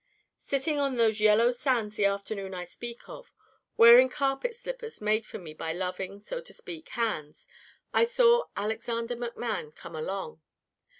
"Sitting on those yellow sands the afternoon I speak of, wearing carpet slippers made for me by loving, so to speak, hands, I saw Alexander McMann come along.